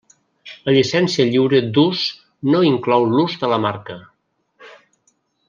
La llicència lliure d'ús no inclou l'ús de la marca.